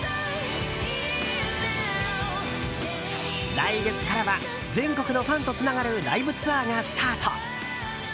来月からは全国のファンとつながるライブツアーがスタート。